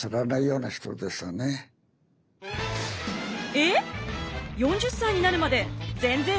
えっ！